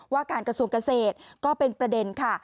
ว่าการกระทรวงเกษตรก็เป็นประเด็นค่ะ